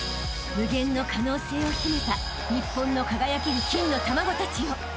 ［無限の可能性を秘めた日本の輝ける金の卵たちよ］